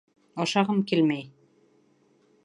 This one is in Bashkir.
Ашағым килмәй!